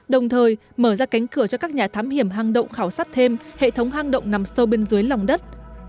đồng thời mở ra cánh cửa cho các nhà thám hiểm hang động khảo sát thêm hệ thống hang động nằm sâu bên dưới lòng đất